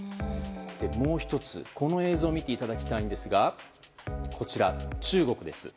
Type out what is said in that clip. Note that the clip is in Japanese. もう１つ、この映像を見ていただきたいですが中国です。